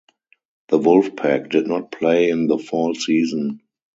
The Wolfpack did not play in the fall season.